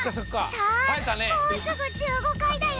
さあもうすぐ１５かいだよ。